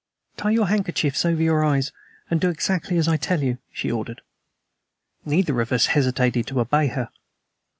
"Tie your handkerchiefs over your eyes and do exactly as I tell you," she ordered. Neither of us hesitated to obey her.